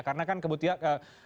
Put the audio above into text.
karena kan kebetulan